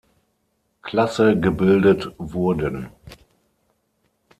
Klasse gebildet wurden.